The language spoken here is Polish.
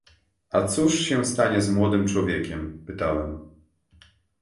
„A cóż się stanie z młodym człowiekiem?” — pytałem.